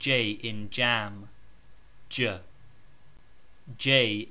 in jam ......